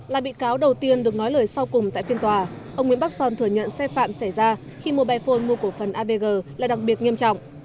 là bị cáo đầu tiên được nói lời sau cùng tại phiên tòa ông nguyễn bắc son thừa nhận xe phạm xảy ra khi mobile phone mua cổ phần avg là đặc biệt nghiêm trọng